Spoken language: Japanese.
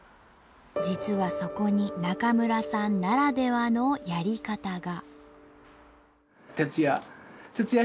実はそこに中村さんならではのやり方が。